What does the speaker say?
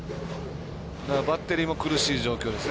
バッテリーも苦しい状況ですね。